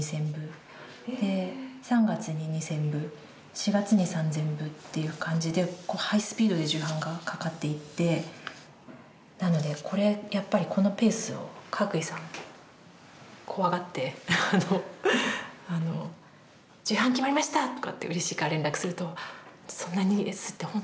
で３月に２，０００部４月に３，０００部っていう感じでハイスピードで重版がかかっていってなのでこれやっぱりこのペースをかがくいさん怖がって「重版決まりました！」とかってうれしいから連絡すると「そんなに刷ってほんとに大丈夫？